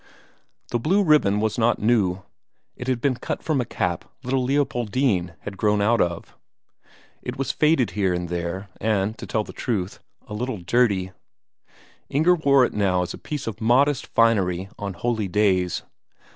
The blue ribbon was not new; it had been cut from a cap little Leopoldine had grown out of; it was faded here and there, and, to tell the truth, a little dirty Inger wore it now as a piece of modest finery on holy days.